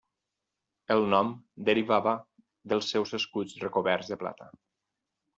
El nom derivava dels seus escuts recoberts de plata.